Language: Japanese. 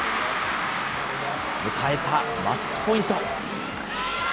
迎えたマッチポイント。